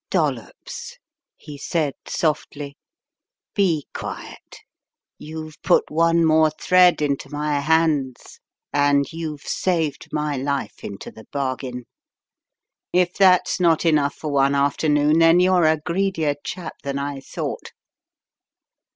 "Dollops," he said, softly. "Be quiet. You've put one more thread into my hands, and you've saved my life into the bargain. If that's not enough for one afternoon, then you're a greedier chap than I thought."